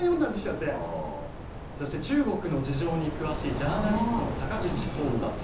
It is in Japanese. そして中国の事情に詳しいジャーナリストの高口康太さん。